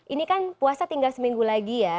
ini kan puasa tinggal seminggu lagi ya